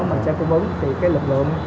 mình sẽ cung ứng